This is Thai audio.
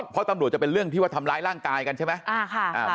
เพราะตำรวจจะเป็นเรื่องที่ว่าทำร้ายร่างกายกันใช่ไหม